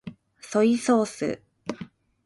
ソイソース